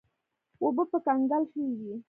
اوبه به کنګل شوې وې.